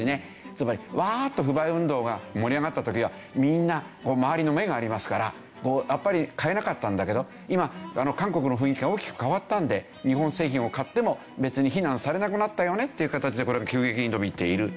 つまりワーッと不買運動が盛り上がった時はみんな周りの目がありますからやっぱり買えなかったんだけど今韓国の雰囲気が大きく変わったんで日本製品を買っても別に非難されなくなったよねっていう形でこれが急激に伸びている。